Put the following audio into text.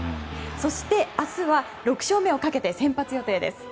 そして、明日は６勝目をかけて先発予定です。